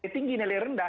tinggi nilai rendah